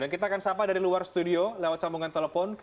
dan kita akan sapa dari luar studio lewat sambungan telepon